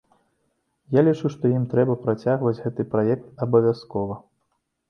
Я лічу, што ім трэба працягваць гэты праект абавязкова.